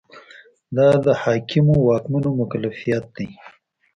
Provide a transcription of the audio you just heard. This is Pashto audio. دا د حاکمو واکمنو مکلفیت دی.